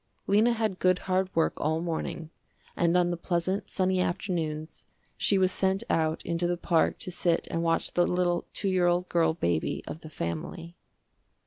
Lena had good hard work all morning, and on the pleasant, sunny afternoons she was sent out into the park to sit and watch the little two year old girl baby of the family.